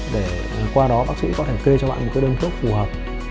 để qua đó bác sĩ có thể kê cho bạn một đơn thuốc phù hợp